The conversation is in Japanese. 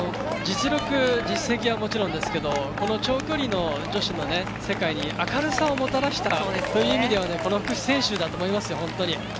実力、実績はもちろんですけどこの長距離の女子の世界に明るさをもたらしたという意味ではこの福士選手だと思いますよ。